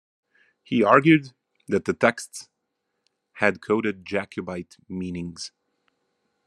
He argued that the texts had coded Jacobite meanings.